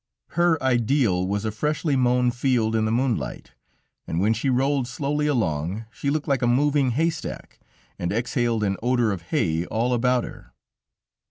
Her ideal was a freshly mown field in the moonlight, and when she rolled slowly along, she looked like a moving haystack, and exhaled an odor of hay all about her.